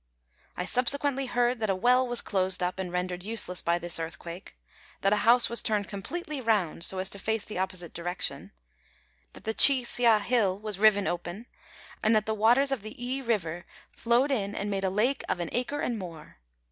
I subsequently heard that a well was closed up and rendered useless by this earthquake; that a house was turned completely round, so as to face the opposite direction; that the Chi hsia hill was riven open, and that the waters of the I river flowed in and made a lake of an acre and more.